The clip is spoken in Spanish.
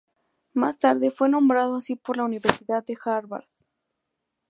Más tarde, fue nombrado así por la universidad de Harvard.